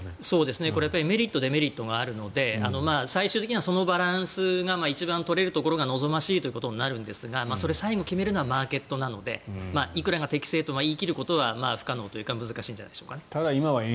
これはメリット、デメリットがあるので最終的にはそのバランスが一番取れるところが望ましいということになるんですがそれを最後に決めるのはマーケットなのでいくらが適正と言い切るのは不可能というか難しいんじゃないでしょうかね。